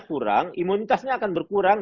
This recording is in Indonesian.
kurang imunitasnya akan berkurang